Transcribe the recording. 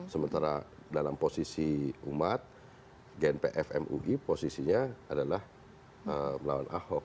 sementara dalam posisi umat gnpf mui posisinya adalah melawan ahok